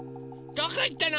どこいったの？